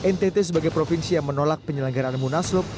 ntt sebagai provinsi yang menolak penyelenggaraan munaslup